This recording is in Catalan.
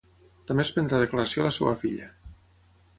També es prendrà declaració a la seva filla.